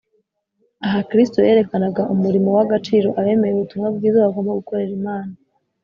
. Aha Kristo yerekanaga umurimo w’agaciro abemeye ubutumwa bwiza bagomba gukorera Imana